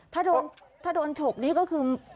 ถ้าโดนฉกนี้ก็คือ